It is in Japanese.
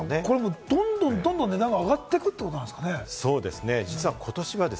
これからどんどん上がっていくということなんですかね。